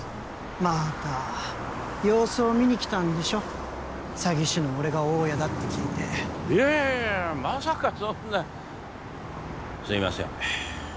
また様子を見に来たんでしょ詐欺師の俺が大家だって聞いていやいやいやまさかそんなすいません